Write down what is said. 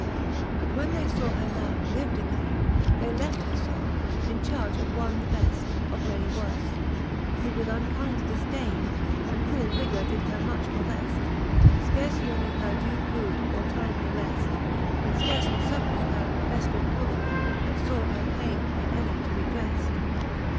But when they faw her now reliv'd againe, ■ They left her fo, in charge of one the befl Of many worft, who with unkind difdaine And cruell rigour her did much moleft ; Scarfe yeelding her due food, or timely reft, And fcarfely fuff'ring her infeftred wound, That fore her payn'd, by any to be dreft.